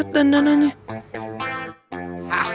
aduh merag pagar pokoknya aram